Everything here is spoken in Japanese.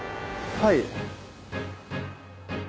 はい？